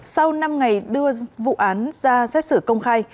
sau năm ngày đưa vụ án ra xét xử công khai